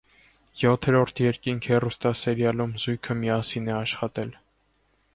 «Յոթերորդ երկինք» հեռուստասերիալում զույգը միասին է աշխատել։